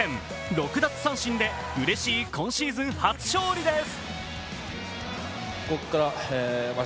６奪三振でうれしい今シーズン初勝利です。